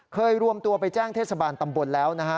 รวมตัวไปแจ้งเทศบาลตำบลแล้วนะฮะ